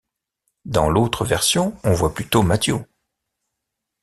Dans l’autre version on voit plutôt Mathew.